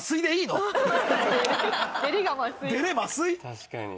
確かに。